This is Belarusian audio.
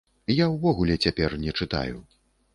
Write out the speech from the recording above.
Я ўвогуле цяпер не чытаю.